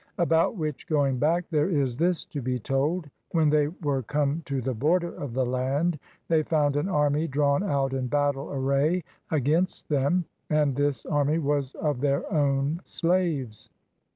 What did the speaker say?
About which going back there is this to be told. When they were come to the border of the land, they found an army drawn out in battle array against them; and this army was of their own slaves.